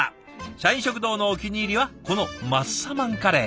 社員食堂のお気に入りはこのマッサマンカレー。